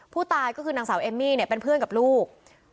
ผู้ตายก็คือนางสาวเอมมี่เนี่ยเป็นเพื่อนกับลูก